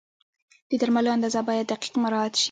د درملو اندازه باید دقیق مراعت شي.